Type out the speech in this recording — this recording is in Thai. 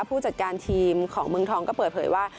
ผู้จัดการทีมของเมืองทองก็เปิดเผยว่า